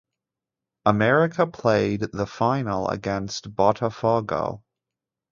America played the final against Botafogo.